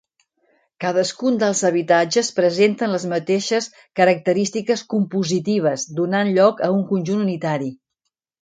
Cadascun dels habitatges presenten les mateixes característiques compositives, donant lloc a un conjunt unitari.